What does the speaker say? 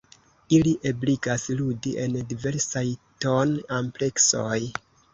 Ili ebligas ludi en diversaj ton-ampleksoj.